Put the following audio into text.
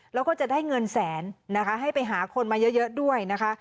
แล้วก็จะได้เงินแสนนะคะให้ไปหาคนมาเยอะด้วยนะคะ